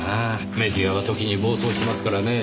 メディアは時に暴走しますからねぇ。